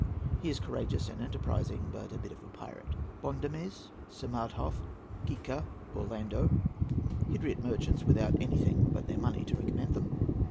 He is courageous and enterprising, but a bit of a pirate. BONDOMES, SAMADHOFF, GHIKA, ORLANDO.—Hydriot merchants without anything but their money to recommend them.